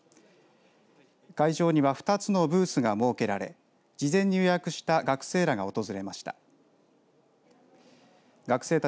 会場には２つのブースが設けられ事前に予約した学生らが訪れました。